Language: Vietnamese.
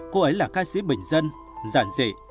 cô ấy là ca sĩ bình dân giản dị